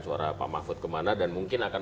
suara pak mahfud kemana dan mungkin akan